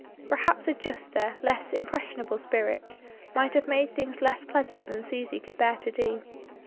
Perhaps a juster, less impressionable spirit might have made things less pleasant than Susy could bear to do.